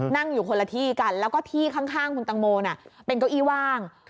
นั่งอยู่คนละที่กันแล้วก็ที่ข้างคุณตังโมเป็นเก้าอี้ว่าง